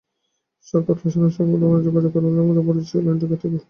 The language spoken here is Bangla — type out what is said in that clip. সাখাওয়াত হোসেনের সঙ্গে মুঠোফোনে যোগাযোগ করা হলে সাংবাদিক পরিচয় শুনেই লাইনটি কেটে দেন।